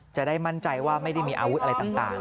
จะได้มั่นใจว่าไม่ได้มีอาวุธอะไรต่าง